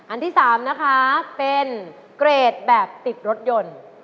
อันที่๓นะคะเป็นเกรดแบบติดรถยนต์